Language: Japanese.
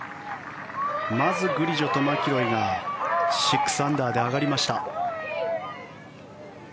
まずグリジョとマキロイが６アンダーで上がりました。